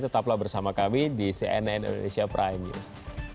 tetaplah bersama kami di cnn indonesia prime news